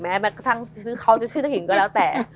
เขาจะชื่อเจ้าหญิงก็แล้วแต่